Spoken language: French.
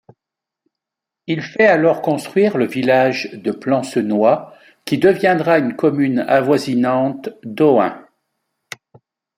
Il fait alors construire le village de Plancenoit qui deviendra une commune avoisinante d’Ohain.